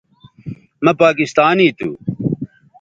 مہ پاکستانی تھو